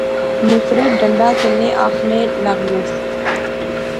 نصرت ڈانڈا کنے آخنے لاغیوس